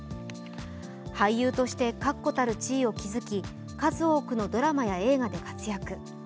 俳優として確固たる地位を築き数多くの映画やドラマで活躍。